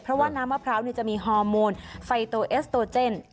เพราะว่าน้ำมะพร้าวจะมีฮอร์โมนไฟโตเอสโตเจน